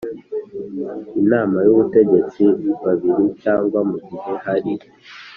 Inama y Ubutegetsi babiri cyangwa mu gihe hari